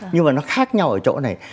nhưng mà nó khác nhau ở chỗ này